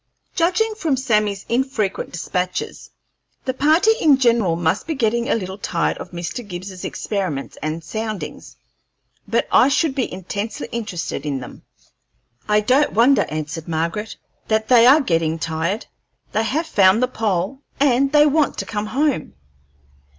Judging from Sammy's infrequent despatches, the party in general must be getting a little tired of Mr. Gibbs's experiments and soundings; but I should be intensely interested in them." "I don't wonder," answered Margaret, "that they are getting tired; they have found the pole, and they want to come home.